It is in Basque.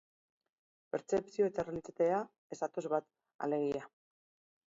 Pertzepzioa eta errealitatea ez datoz bat, alegia.